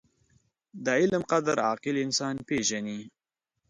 • د علم قدر، عاقل انسان پېژني.